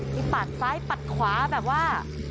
ปัดซ้ายปัดขวาแบบว่า